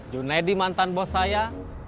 junaidi mantan bos saya